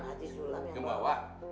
haji sulam yang bawa